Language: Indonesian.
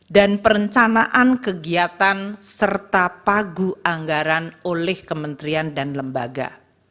dan perencanaan kegiatan serta pagu anggaran oleh kementerian dan lembaga